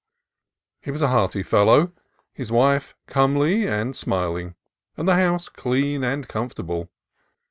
He was a hearty fellow, his wife comely and smil ing, and the house clean and comfortable.